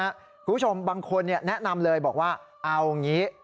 คุณผู้ชมบางคนแนะนำเลยบอกว่าเอาอย่างนี้